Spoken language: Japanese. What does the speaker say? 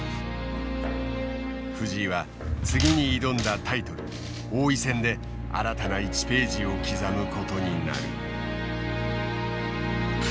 藤井は次に挑んだタイトル王位戦で新たな１ページを刻むことになる。